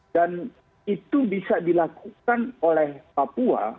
itu bisa dilakukan oleh papua